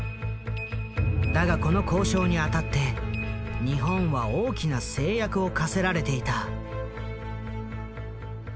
だがこの交渉にあたって日本は大きな制約を課せられていた。